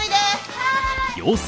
はい！